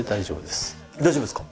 大丈夫ですか。